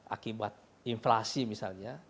akibat inflasi misalnya